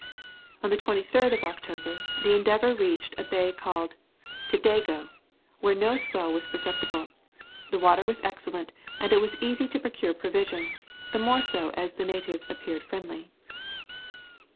On the 23rd of October, the Endeavour reached a bay called Tedago, where no swell was perceptible. The water was excellent, and it was easy to procure provisions, the more so as the natives appeared friendly.